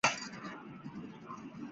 本站办理客货运业务。